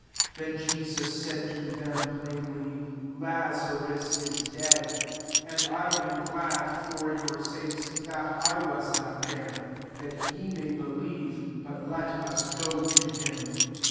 14 Then Jesus said to them, plainly, <^ Lazarus is dead. 15 And I am glad, for your sakes, that I was not there, that ye may believe : but let us go to him."